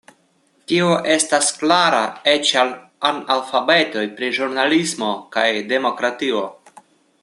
Tio estas klara eĉ al analfabetoj pri ĵurnalismo kaj demokratio.